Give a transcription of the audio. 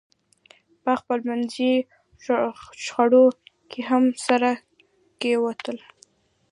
په خپلمنځي شخړو کې هم سره کېوتل.